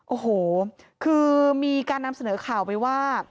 โอ้โหคือมีการนำเสนอข่าวไปว่า